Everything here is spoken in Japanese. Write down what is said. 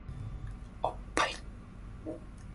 なか